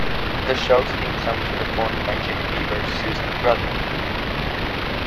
The show's theme song was performed by Jimmy Beavers, Susan's brother.